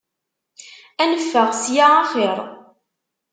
Ad neffeɣ ssya axir!